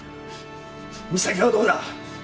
実咲はどこだ？